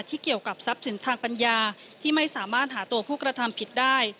เกี่ยวกับทรัพย์สินทางปัญญาที่ไม่สามารถหาตัวผู้กระทำผิดได้